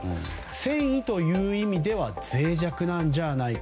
戦意という意味では脆弱なんじゃないか。